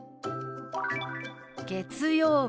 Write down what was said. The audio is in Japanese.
「月曜日」。